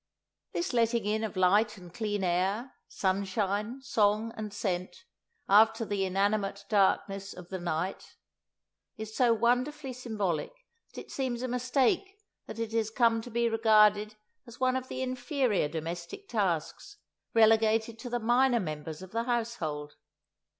This letting in of light and clean air, sunshine, song and scent, after the inanimate darkness of the night, is so wonderfully symbolic that it seems a mistake that it has come to be regarded as one of the inferior domestic tasks, relegated to the minor members of the household.